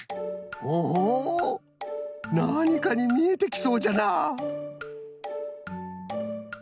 ほほうなにかにみえてきそうじゃな。